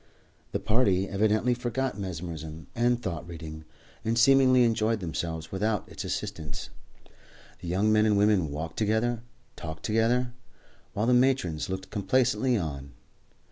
The party evidently forgot mesmerism and thought reading, and seemingly enjoyed themselves without its assistance. The young men and women walked together and talked together, while the matrons looked complacently on.